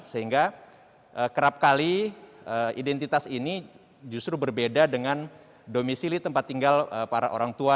sehingga kerap kali identitas ini justru berbeda dengan domisili tempat tinggal para orang tua